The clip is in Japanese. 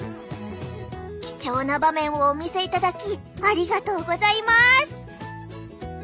貴重な場面をお見せいただきありがとうございます。